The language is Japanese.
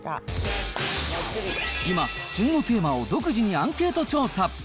今、旬のテーマを独自にアンケート調査。